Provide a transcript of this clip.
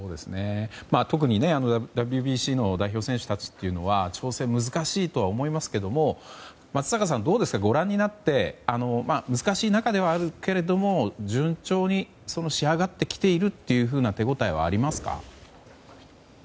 特にＷＢＣの代表選手たちっていうのは調整が難しいと思いますが松坂さんどうですか、ご覧になって難しい中ではあるけれども順調に仕上がってきているという手ごたえはありますか？